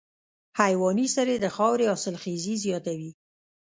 حیواني سرې د خاورې حاصلخېزي زیاتوي.